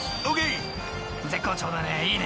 ［絶好調だね。